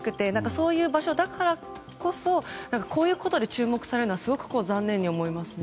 そういう場所だからこそこういうことで注目されるのはすごく残念に思いますね。